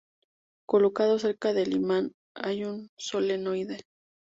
Colocado cerca del imán hay un solenoide.